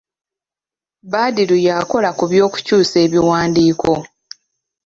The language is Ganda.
Badru yakola ku by'okukyusa ebiwandiiko.